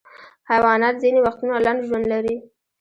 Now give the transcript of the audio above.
حیوانات ځینې وختونه لنډ ژوند لري.